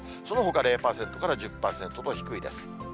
そのほか０％から１０％と低いです。